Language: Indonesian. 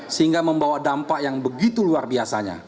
sehingga membawa dampak yang begitu luar biasanya